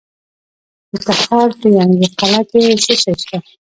د تخار په ینګي قلعه کې څه شی شته؟